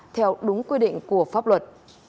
theo đúng quy định của pháp luật